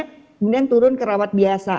kemudian turun ke rawat biasa